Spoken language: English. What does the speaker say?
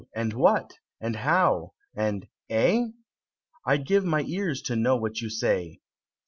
and What? and How? and Eh? I'd give my ears to know what you say!"